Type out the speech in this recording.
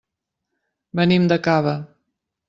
Venim de Cava.